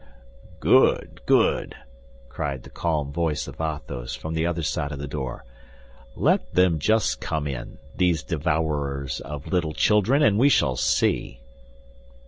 "Good, good!" cried the calm voice of Athos, from the other side of the door, "let them just come in, these devourers of little children, and we shall see!"